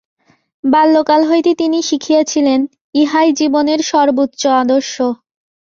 বাল্যকাল হইতে তিনি শিখিয়াছিলেন, ইহাই জীবনের সর্ব্বোচ্চ আদর্শ।